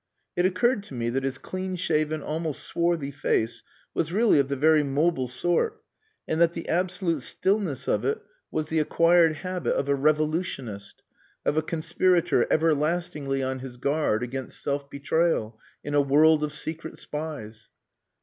It occurred to me that his clean shaven, almost swarthy face was really of the very mobile sort, and that the absolute stillness of it was the acquired habit of a revolutionist, of a conspirator everlastingly on his guard against self betrayal in a world of secret spies.